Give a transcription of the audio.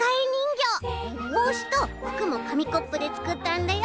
ぼうしとふくもかみコップでつくったんだよ。